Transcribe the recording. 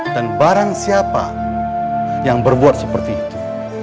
dan barang siapa yang berbuat seperti itu